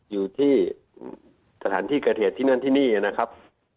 อยู่ที่สถานที่เกิดเหตุที่นั่นที่นี่นะครับ